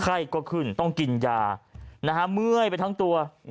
ไข้ก็ขึ้นต้องกินยาเมื่อยไปทั้งตัว